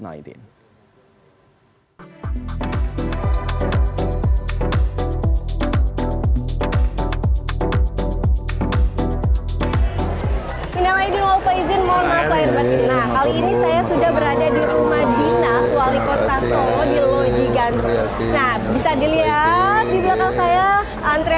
silaturahmi raka bumi raka